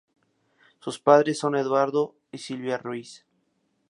Sus padres son Eduardo y Sylvia Ruiz.